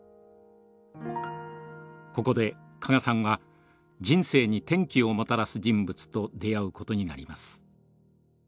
ここで加賀さんは人生に転機をもたらす人物と出会うことになります。